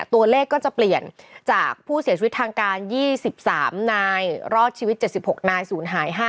ตัวเลขก็จะเปลี่ยนจากผู้เสียชีวิตทางการ๒๓นายรอดชีวิต๗๖นายศูนย์หาย๕๐